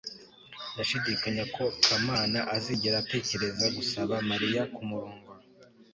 ndashidikanya ko kamana azigera atekereza gusaba mariya kumurongora